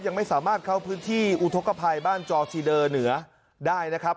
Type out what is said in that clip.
ยังไม่สามารถเข้าพื้นที่อุทธกภัยบ้านจอทีเดอร์เหนือได้นะครับ